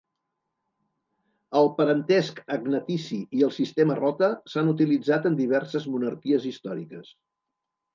El parentesc agnatici i el sistema rota s'han utilitzat en diverses monarquies històriques.